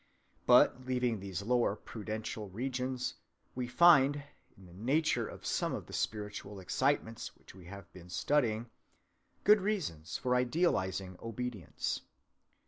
But, leaving these lower prudential regions, we find, in the nature of some of the spiritual excitements which we have been studying, good reasons for idealizing obedience.